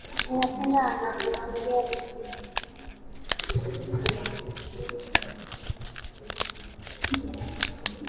Ninapenda anavyoongea vizuri.